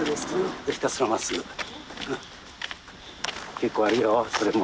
結構あるよそれも。